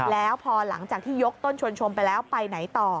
แล้วพอหลังจากที่ยกต้นชวนชมไปแล้วไปไหนต่อ